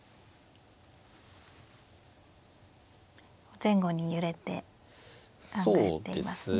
前後に揺れて考えていますね。